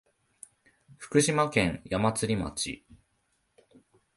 福島県矢祭町